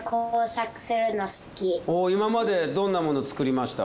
今までどんなもの作りました？